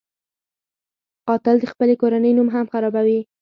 قاتل د خپلې کورنۍ نوم هم خرابوي